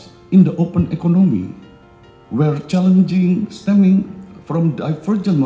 yang menantang berasal dari kebijakan ekonomi secara berbeda